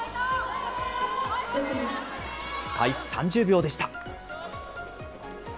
開始３０秒でした。